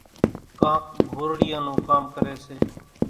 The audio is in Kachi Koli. ڪانڪ گھورڙيئان نون ڪام ڪريَ سي۔